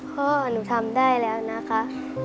พ่อหนูทำได้แล้วนะคะ